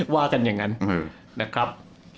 ว่ากันอย่างนั้นนะครับ